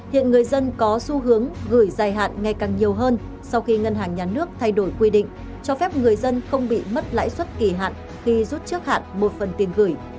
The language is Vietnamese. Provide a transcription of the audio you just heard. hiện người dân có xu hướng gửi dài hạn ngày càng nhiều hơn sau khi ngân hàng nhà nước thay đổi quy định cho phép người dân không bị mất lãi suất kỳ hạn khi rút trước hạn một phần tiền gửi